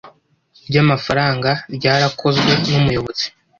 Ry amafaranga ryarakozwe n umuyobozi